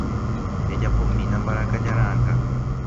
Ejapomína mbarakaja ra'ãnga.